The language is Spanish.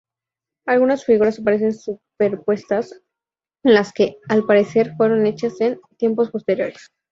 Algunas figuras aparecen superpuestas, las que al parecer fueron hechas en tiempos posteriores.